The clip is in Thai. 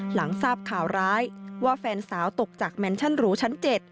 หลังทราบข่าวร้ายว่าแฟนสาวตกจากแมนชั่นหรูชั้น๗